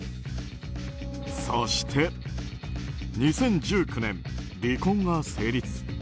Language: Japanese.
そして２０１９年、離婚が成立。